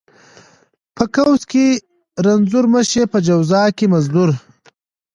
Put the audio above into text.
ـ په قوس کې رنځور مشې، په جواز کې مزدور.